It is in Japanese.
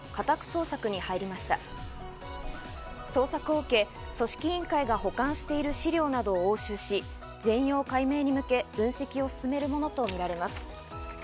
捜索を受け、組織委員会が保管している資料などを押収し、全容解明に向け、分析を進めるものとみられます。